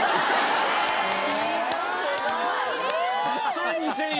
それ２０００円？